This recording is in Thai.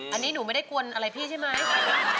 อันนี้หนูไม่ได้กวนอะไรพี่ใช่ไหม